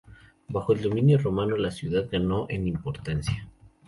Bajo el dominio romano, la ciudad ganó en importancia.